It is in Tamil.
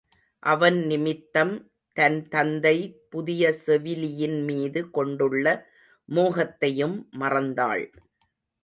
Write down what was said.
அவன் நிமித்தம், தன் தந்தை புதிய செவிலியின்மீது கொண்டுள்ள மோகத்தையும் மறந்தாள்.